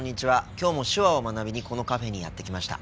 今日も手話を学びにこのカフェにやって来ました。